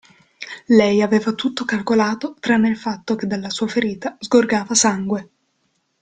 Lei aveva tutto calcolato tranne il fatto che dalla sua ferita sgorgava sangue.